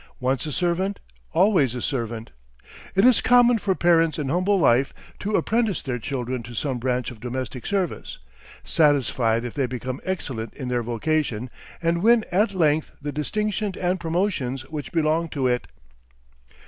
Once a servant, always a servant. It is common for parents in humble life to apprentice their children to some branch of domestic service, satisfied if they become excellent in their vocation, and win at length the distinctions and promotions which belong to it.